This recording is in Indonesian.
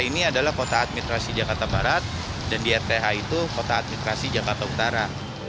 ini adalah kota administrasi jakarta barat dan di rth itu kota administrasi jakarta utara